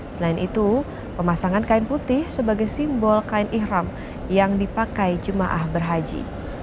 selain itu pemasangan kain putih sebagai simbol kain ikhram yang dipakai jemaah berhaji